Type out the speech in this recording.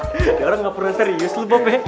diorang gak perlu serius lo bob ya